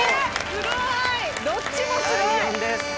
すごい！どっちもすごい！